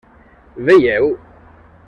Veieu?